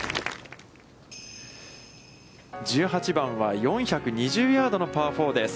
１８番は４２０ヤードのパー４です。